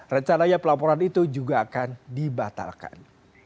rencananya pelaporan itu juga akan dibatalkan